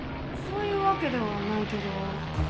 そういうわけではないけど。